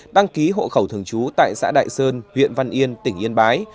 đăng ký hộ khẩu thường trú tại xã đại sơn huyện văn yên tỉnh yên bái